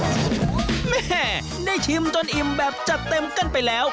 แม่ได้ชิมจนอิ่มแบบจัดเต็มกันไปแล้ว